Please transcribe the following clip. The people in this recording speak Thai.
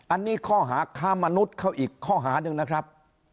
อันนี้ข้อหาค้ามนุษย์เขาอีกข้อหาหนึ่งนะครับ